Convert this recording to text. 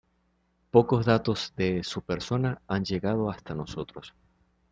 Pocos datos de su persona han llegado hasta nosotros.